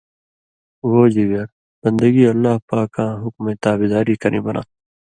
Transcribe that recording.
وہ جگر بندگی اللہ پاکاں حُکمئیں تابعداری کرئیں بناتھہ۔